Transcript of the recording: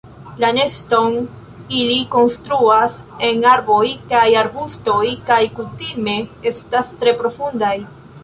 La neston ili konstruas en arboj kaj arbustoj kaj kutime estas tre profundaj.